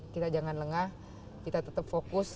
kita jangan lengah kita tetap fokus